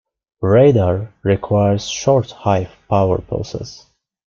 Radar requires short high power pulses.